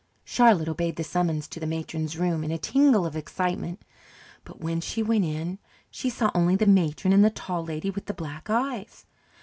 Charlotte obeyed the summons to the matron's room in a tingle of excitement. But when she went in, she saw only the matron and the Tall Lady with the Black Eyes.